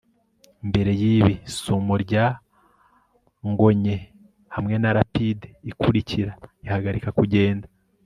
mbere yibi, isumo rya ngonye hamwe na rapide ikurikira ihagarika kugenda